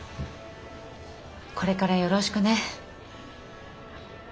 これからよろしくね。